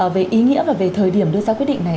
về ý nghĩa và về thời điểm đưa ra quyết định này